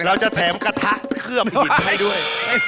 เราจะแถมกระทะเคลือบอีเหนียบให้ด้วย